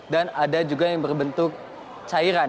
ada juga yang berbentuk cairan